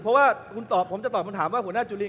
เพราะว่าคุณตอบผมจะตอบคำถามว่าหัวหน้าจุลิน